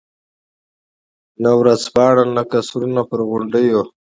نه ورځپاڼه، نه قصرونه پر غونډیو.